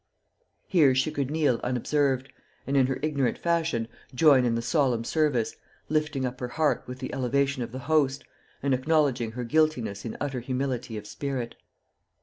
Here she could kneel unobserved, and in her ignorant fashion, join in the solemn service, lifting up her heart with the elevation of the host, and acknowledging her guiltiness in utter humility of spirit.